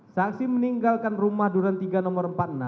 saksi meninggalkan rumah duren tiga nomor empat puluh enam